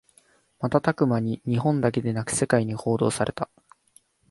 瞬く間に日本だけでなく世界に報道された